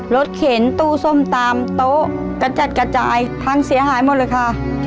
เข็นตู้ส้มตำโต๊ะกระจัดกระจายพังเสียหายหมดเลยค่ะ